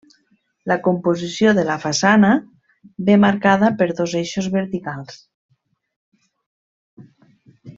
La composició de la façana ve marcada per dos eixos verticals.